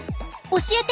教えて！